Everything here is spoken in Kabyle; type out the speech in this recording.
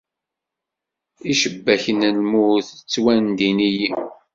Icebbaken n lmut ttwandin-iyi.